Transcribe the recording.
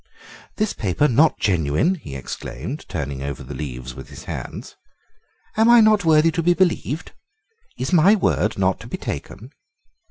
"This paper not genuine!" he exclaimed, turning over the leaves with his hands. "Am I not worthy to be believed? Is my word not to be taken?"